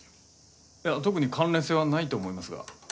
いや特に関連性はないと思いますが。